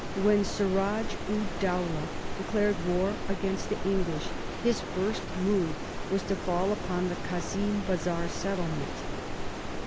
When Suraj ud Dowlah declared war against the English his first move was to fall upon the Kazim Bazar settlement.